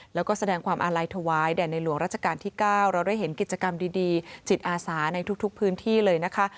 แล้วก็แสดงความอาลัยถวายแด่ในหลวงราชการที่๙เราได้เห็นกิจกรรมดีจิตอาสาในทุกพื้นที่เลยนะคะ